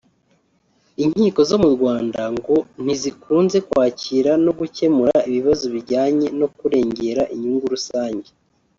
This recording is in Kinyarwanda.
Inkiko zo mu Rwanda ngo ntizikunze kwakira no gukemura ibibazo bijyanye no kurengera inyungu rusange